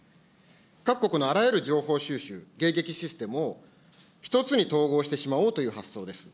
各国のあらゆる情報収集、迎撃システムを、一つに統合してしまおうという発想です。